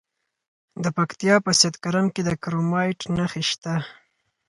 د پکتیا په سید کرم کې د کرومایټ نښې شته.